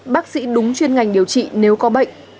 bác sĩ đúng chuyên ngành điều trị nếu có bệnh